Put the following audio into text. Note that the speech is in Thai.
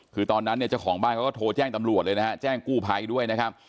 คือตอนนั้นเนี่ยเจ้าของบ้านเขาก็โทรแจ้งตำรวจเลยนะฮะแจ้งกู้ภัยด้วยนะครับ